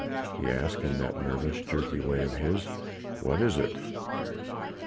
he asked in that nervous, jerky way of his, "What is it?"